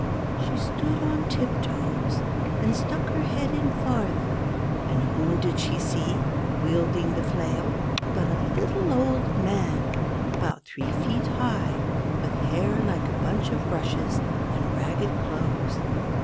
She stood on tiptoes, and stuck her head in farther, and whom did she see, wielding the flail, but a little old man, about three feet high, with hair like a bunch of rushes, and ragged clothes.